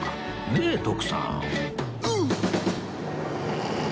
ねえ徳さん